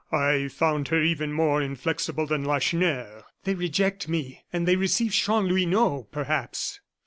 "I found her even more inflexible than Lacheneur." "They reject me, and they receive Chanlouineau, perhaps."